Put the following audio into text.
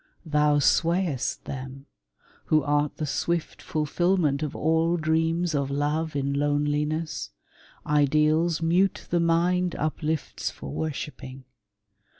Thou swayest them, Who art the swift fulfilment of all dreams Of love in loneliness — ideals mute The mind uplifts for worshiping.